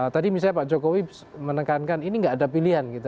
tadi misalnya pak jokowi menekankan ini nggak ada pilihan gitu